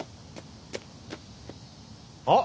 あっ